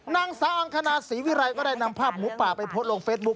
นางสาวอังคณาศรีวิรัยก็ได้นำภาพหมูป่าไปโพสต์ลงเฟซบุ๊